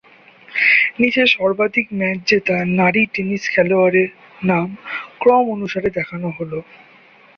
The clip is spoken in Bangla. নিচে সর্বাধিক ম্যাচ জেতা নারী টেনিস খেলোয়াড়দের নাম ক্রম অনুসারে দেখানো হলঃ